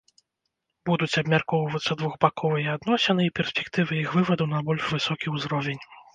Будуць абмяркоўвацца двухбаковыя адносіны і перспектывы іх вываду на больш высокі ўзровень.